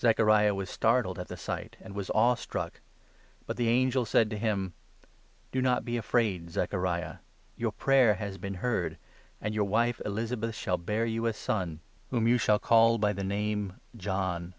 Zechariah was startled at the sight and 12 was awe struck. But the angel said to him : 13 " Do not be afraid, Zechariah ; your prayer has been heard, and your wife Elizabeth shall bear you a son, whom you shall 104 LUKE, 1. call by the name John.